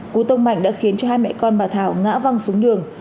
cú tông mạnh đã khiến cho hai mẹ con bà thảo ngã vong xuống đường